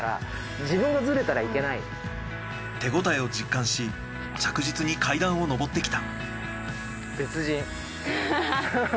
手応えを実感し着実に階段を上ってきた。